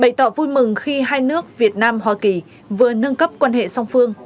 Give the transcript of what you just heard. bày tỏ vui mừng khi hai nước việt nam hoa kỳ vừa nâng cấp quan hệ song phương